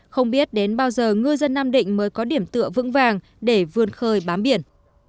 không biết đến bao giờ ngư dân nam định mới có điểm tựa vững vàng để vươn khơi bám biển